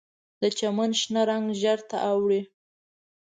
د چمن شنه رنګ ژیړ ته اړوي